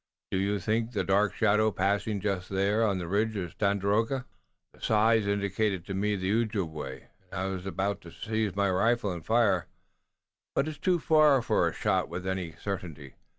Do you not think the dark shadow passing just then on the ridge was Tandakora?" "The size indicated to me the Ojibway, and I was about to seize my rifle and fire, but it's too far for a shot with any certainty.